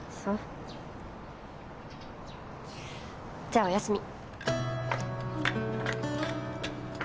じゃあおやすみ。